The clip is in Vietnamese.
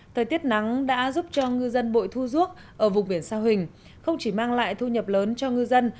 thời tiết nắng đã giúp cho ngư dân bội thu ruốc ở vùng biển sa huỳnh không chỉ mang lại thu nhập lớn cho ngư dân